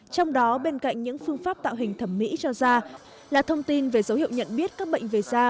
trong đó bên cạnh những phương pháp tạo hình thẩm mỹ cho da là thông tin về dấu hiệu nhận biết các bệnh về da